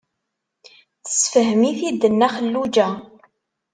Tessefhem-it-id Nna Xelluǧa.